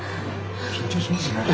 緊張しますね。